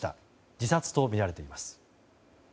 自殺とみられています。